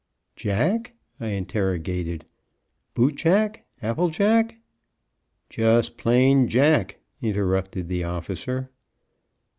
"Jack?" I interrogated; "boot jack, apple jack " "Just plain jack," interrupted the officer.